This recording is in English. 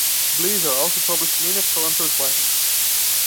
Blazer also published many of Salanter's writings.